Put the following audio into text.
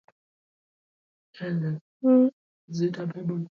Afrika Kaskazini na nchi za Mashariki ya Kati kupakana na Iraki ya leo